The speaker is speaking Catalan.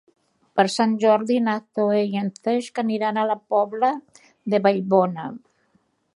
Per Sant Jordi na Zoè i en Cesc aniran a la Pobla de Vallbona.